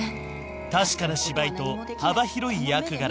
確かな芝居と幅広い役柄